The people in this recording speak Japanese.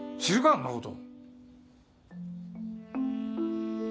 そんなこと。